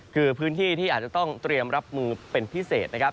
คือพื้นที่ที่อาจจะต้องเตรียมรับมือเป็นพิเศษนะครับ